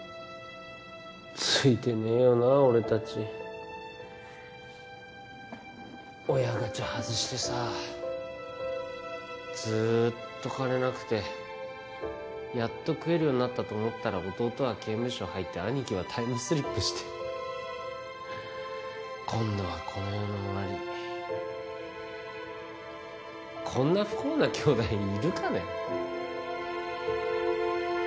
ついてねえよな俺達親ガチャ外してさずっと金なくてやっと食えるようになったと思ったら弟は刑務所入って兄貴はタイムスリップして今度はこの世の終わりこんな不幸な兄弟いるかね